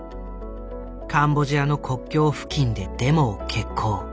カンボジアの国境付近でデモを決行。